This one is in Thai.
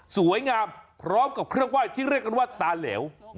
พร้อมกับเครื่องไหว้ที่เรียกกันว่าตาเหลว